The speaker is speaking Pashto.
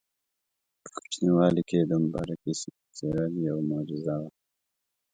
په کوچنیوالي کې یې د مبارکې سینې څیرل یوه معجزه وه.